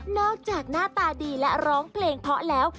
นอกจากหน้าตาดีฉล้องเกรงเพราะแล้ว